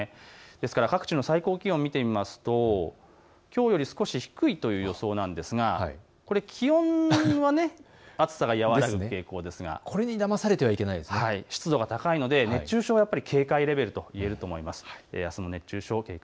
各地の最高気温を見てみますときょうよりも少し低いという予想なんですが気温は暑さが和らぐ傾向ですが、湿度が高いので熱中症は警戒レベルと言えると思います。